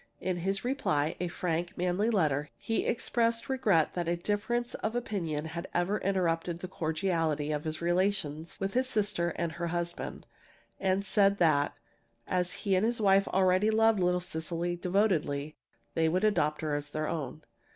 In his reply a frank, manly letter he expressed his regret that a difference of opinion had ever interrupted the cordiality of his relations with his sister and her husband, and said that, as he and his wife already loved little Cecily devotedly, they would adopt her as their own.